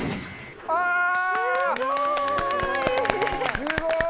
すごい。